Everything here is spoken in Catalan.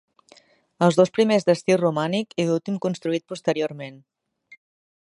Els dos primers d'estil romànic, i l'últim construït posteriorment.